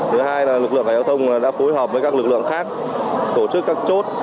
thứ hai là lực lượng giao thông đã phối hợp với các lực lượng khác tổ chức các chốt